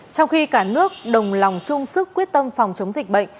trong khi cả nước đồng lòng chung sức quyết tâm phòng chống dịch bệnh